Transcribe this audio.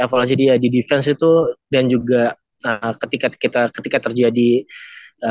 kemarin kala sudah jadi ya di defense itu dan juga tanpa ketika kita ketika terjadi counter